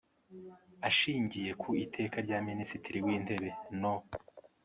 Ashingiye ku Iteka rya Minisitiri w Intebe no